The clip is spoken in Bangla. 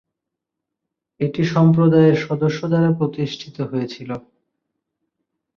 এটি সম্প্রদায়ের সদস্য দ্বারা প্রতিষ্ঠিত হয়েছিল।